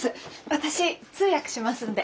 私通訳しますんで。